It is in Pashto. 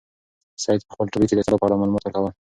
سعید په خپل ټولګي کې د کلا په اړه معلومات ورکړل.